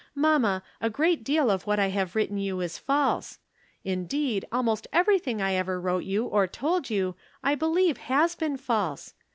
Mamma, a great deal of what I have written you is false. Indeed, almost everything I ever wrote you or told you I believe has been false.